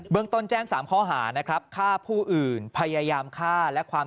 ต้นแจ้ง๓ข้อหานะครับฆ่าผู้อื่นพยายามฆ่าและความ